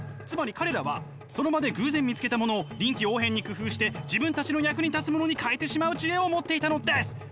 つまり彼らはその場で偶然見つけたものを臨機応変に工夫して自分たちの役に立つものに変えてしまう知恵を持っていたのです！